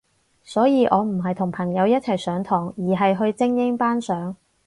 所以我唔係同朋友一齊上堂，而係去精英班上